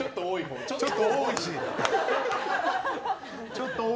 ちょっと多いし。